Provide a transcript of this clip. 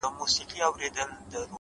د سترګو کي ستا د مخ سُرخي ده;